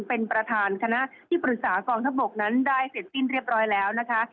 เป็นประธานคณะที่ปรึกษากองทัพบกนั้นได้เสร็จสิ้นเรียบร้อยแล้วนะคะ